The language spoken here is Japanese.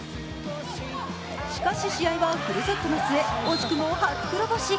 しかし、試合はフルセットの末惜しくも初黒星。